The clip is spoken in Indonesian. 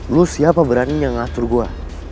lu siapa berani yang ngatur gue